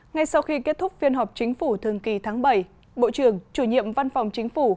ngay sau khi kết thúc phiên họp chính phủ thường kỳ tháng bảy bộ trưởng chủ nhiệm văn phòng chính phủ